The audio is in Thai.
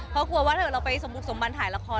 เพราะกลัวว่าถ้าเราไปสมบันถ่ายละคร